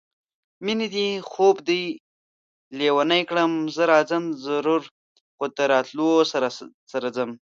مېنې دې خوب دې لېونی کړه زه راځم ضرور خو د راتلو سره ځم